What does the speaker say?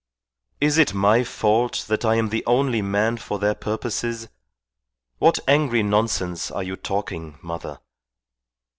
"Is it my fault that I am the only man for their purposes? What angry nonsense are you talking, mother?